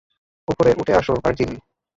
উপরে উঠে আসো, ভার্জিল।